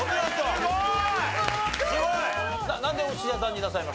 すごーい！